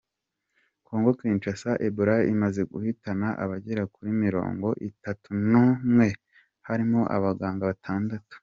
kongo Kinshasa Ebola imaze guhitana abagera kuri Mirongo Itatu Numwe harimo abaganga Batandatu